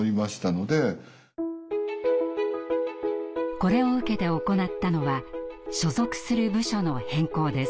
これを受けて行ったのは所属する部署の変更です。